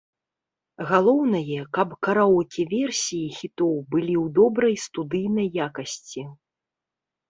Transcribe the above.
Галоўнае, каб караоке-версіі хітоў былі ў добрай студыйнай якасці.